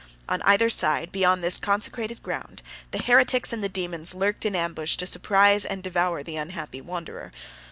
On either side, beyond this consecrated ground, the heretics and the dæmons lurked in ambush to surprise and devour the unhappy wanderer.